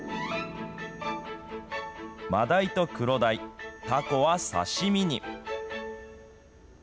マダイとクロダイ、タコは刺身に。